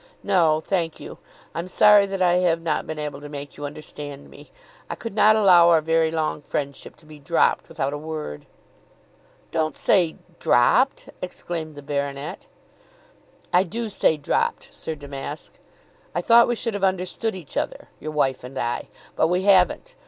"No, thank you. I'm sorry that I have not been able to make you understand me. I could not allow our very long friendship to be dropped without a word." "Don't say dropped," exclaimed the baronet. "I do say dropped, Sir Damask. I thought we should have understood each other; your wife and I. But we haven't.